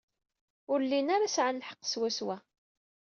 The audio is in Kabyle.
Ur llin ara sɛan lḥeqq swaswa.